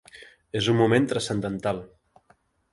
És un moment transcendental.